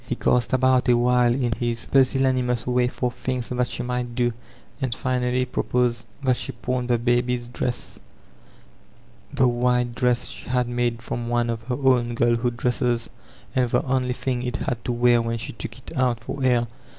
He cast about a while in his pusiDaii imous way for things that she might do, and final^ pfo posed that she pawn the baby's dress,— 4he white doets The Hbast of Akgiolillo 425 she had made from one of her own girlhood dresses, and die only thing it had to wear when she took it out for air.